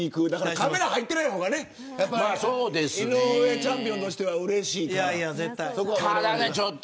カメラが入ってない方がね井上チャンピオンとしてはうれしいかと。